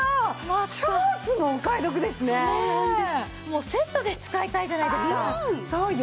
もうセットで使いたいじゃないですか。